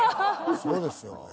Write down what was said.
そうですよ。